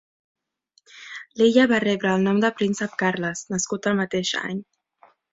L'illa va rebre el nom de Príncep Carles, nascut el mateix any.